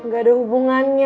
gak ada hubungannya